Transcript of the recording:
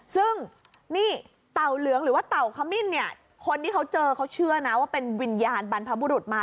ซึ่งนี่เต่าเหลืองหรือว่าเต่าขมิ้นเนี่ยคนที่เขาเจอเขาเชื่อนะว่าเป็นวิญญาณบรรพบุรุษมา